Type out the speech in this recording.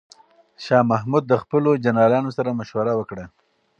شاه محمود د خپلو جنرالانو سره مشوره وکړه.